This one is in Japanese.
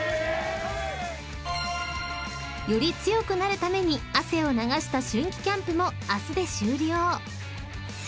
［より強くなるために汗を流した春季キャンプも明日で終了］